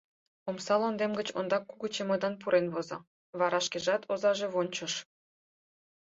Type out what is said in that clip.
Омса лондем гыч ондак кугу чемодан пурен возо, вара шкежат, озаже, вончыш.